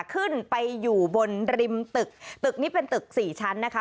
ขึ้นไปอยู่บนริมตึกตึกนี้เป็นตึกสี่ชั้นนะคะ